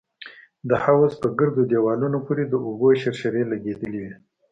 د حوض په ګردو دېوالونو پورې د اوبو شرشرې لگېدلې وې.